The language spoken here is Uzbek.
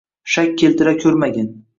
Shak keltira ko’rmagin.